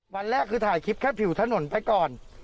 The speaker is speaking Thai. วันแรกคือถ่ายคลิปแค่ผิวถนนไปก่อน